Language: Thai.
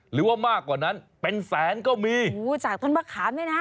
หรือว่ามากกว่านั้นเป็นแสนก็มีโอ้โหจากต้นมะขามเนี่ยนะ